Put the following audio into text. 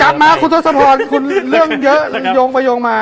ต้มโต๊ะสะพอนของคุณเรื่องเยอะยงไปยงมา